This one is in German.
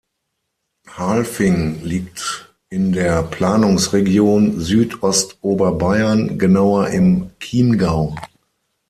Halfing liegt in der Planungsregion Südostoberbayern, genauer im Chiemgau.